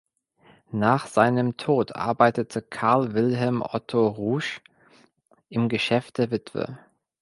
Nach seinem Tod arbeitete Carl Wilhelm Otto Rusch im Geschäft der Witwe.